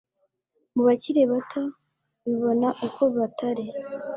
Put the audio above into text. mu bakiri bato bibona uko batari